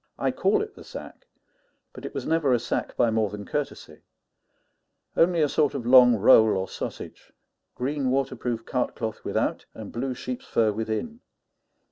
I call it "the sack," but it was never a sack by more than courtesy: only a sort of long roll or sausage, green waterproof cart cloth without and blue sheep's fur within.